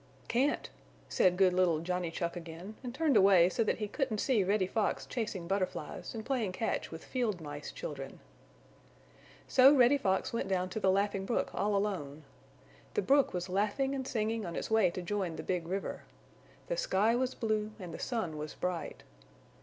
"Can't," said good little Johnny Chuck again, and turned away so that he couldn't see Reddy Fox chasing Butterflies and playing catch with Field Mice children. So Reddy Fox went down to the Laughing Brook all alone. The Brook was laughing and singing on its way to join the Big River. The sky was blue and the sun was bright.